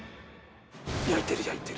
焼いてる焼いてる。